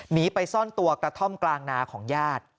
หนีไปซ่อนตัวกระท่อมกลางนาของญาติ